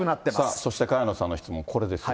そして萱野さんの質問、これです。